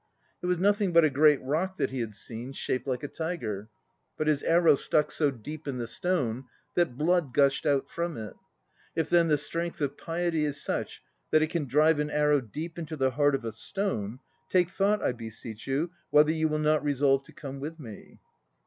It was nothing but a great rock that he had seen, shaped like a tiger. But his arrow stuck so deep in the stone that blood gushed out from it. If then the strength of piety is such that it can drive an arrow deep into the heart of a stone, take thought, I beseech you, whether you will not resolve to come with me.